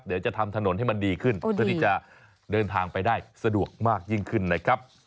เดี๋ยวจะทำถนนให้มันดีขึ้นเพื่อที่จะเดินทางไปได้สะดวกมากยิ่งขึ้นนะครับ